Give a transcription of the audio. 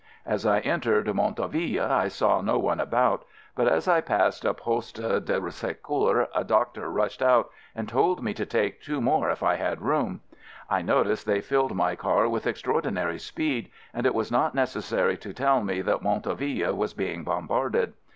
As I entered Montauville I saw no one about, FIELD SERVICE 89 but as I passed a poste de secour, a doctor rushed out and told me to take two more if I had room. I noticed they filled my car with extraordinary speed, and it was not necessary to tell me that Montauville was being bombarded.